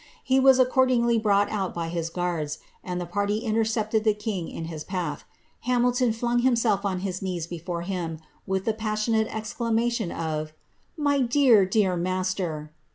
He was accordingly brought out by his guards, and the party intercepted the king in his path ; Hamil ton flung himself on his knees before him, with the passionate esclamt tion o( ^ My dear, dear master